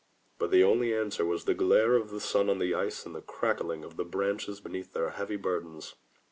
But the only answer was the glare of the sun on the ice and the cracking of the branches beneath their heavy burdens.